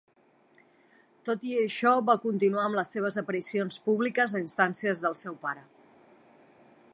Tot i això, va continuar amb les seves aparicions públiques a instàncies del seu pare.